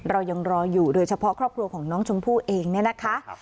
เรายังรออยู่โดยเฉพาะครอบครัวของน้องชมพู่เองเนี่ยนะคะ